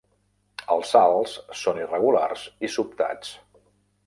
Els salts són irregulars i sobtats.